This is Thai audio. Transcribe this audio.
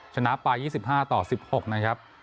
ชนะไป๒๕ต่อ๑๖นะครับ